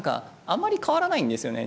あまり変わらないんですよね。